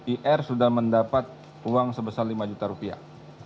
ir sudah mendapat uang sebesar lima juta rupiah